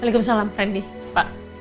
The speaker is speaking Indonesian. waalaikumsalam randy pak